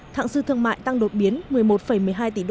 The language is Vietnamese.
thạng dư thương mại tăng đột biến một mươi một một mươi hai tỷ usd